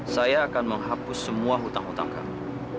saya akan menghapus semua hutang hutang kami